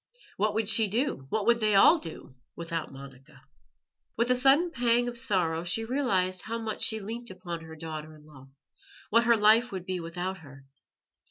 What would she do, what would they all do, Without Monica? With a sudden pang of sorrow she realized how much she leant upon her daughter in law, what her life would be without her.